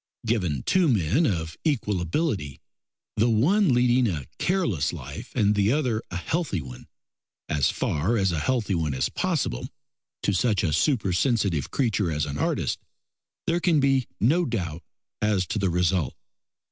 Given two men of equal ability, the one leading a careless life and the other a healthy one, as far as a healthy one is possible to such a supersensitive creature as an artist, there can be no doubt as to the result.